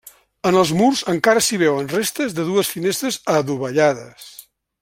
En els murs encara s'hi veuen restes de dues finestres adovellades.